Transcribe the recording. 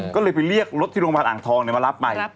ก็เลยไปเรียกรถที่โรงพยาบาลอ่างทองมารับไป